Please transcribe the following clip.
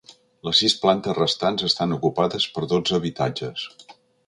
Les sis plantes restants estan ocupades per dotze habitatges.